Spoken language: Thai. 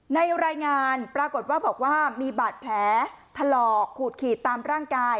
รายงานปรากฏว่าบอกว่ามีบาดแผลถลอกขูดขีดตามร่างกาย